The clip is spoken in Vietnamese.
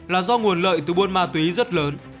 là do nguồn lợi từ buôn ma túy rất lớn